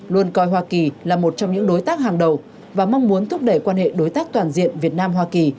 luôn coi hoa kỳ là một trong những đối tác hàng đầu và mong muốn thúc đẩy quan hệ đối tác toàn diện việt nam hoa kỳ